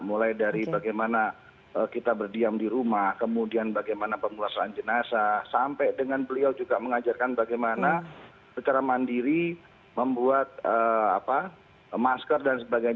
mulai dari bagaimana kita berdiam di rumah kemudian bagaimana pemulasaran jenazah sampai dengan beliau juga mengajarkan bagaimana secara mandiri membuat masker dan sebagainya